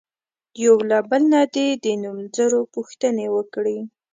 یو له بله نه دې د نومځرو پوښتنې وکړي.